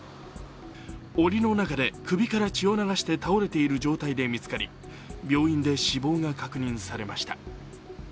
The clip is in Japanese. おりの中で首から血を流して倒れている状態で見つかり病院で死亡が確認されました。